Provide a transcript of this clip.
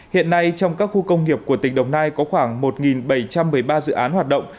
hiện nay trong các khu công nghiệp của tỉnh đồng nai có khoảng một bảy trăm một mươi ba dự án hoạt động